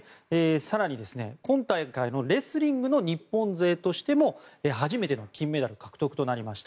更に、今大会のレスリングの日本勢としても初めての金メダル獲得となりました。